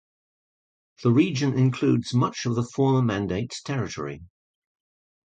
The region includes much of the former mandate's territory.